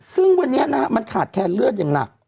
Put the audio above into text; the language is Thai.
ซึ่งวันนี้นะฮะมันขาดแคนเลือดอย่างหนัก